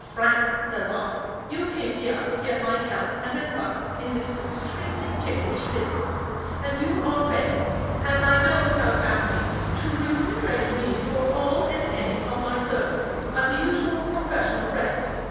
Frank," says I, "you came here to get my help and advice in this extremely ticklish business, and you are ready, as I know without asking, to remunerate me for all and any of my services at the usual professional rate.